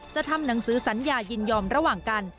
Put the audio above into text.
ทำหนังสือสัญญายินยอมระหว่างกัน